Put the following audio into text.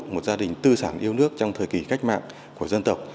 một gia đình tư sảng yêu nước trong thời kỳ cách mạng của dân tộc